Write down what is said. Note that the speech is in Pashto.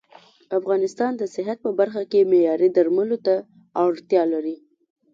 افغانستان د صحت په برخه کې معياري درملو ته اړتيا لري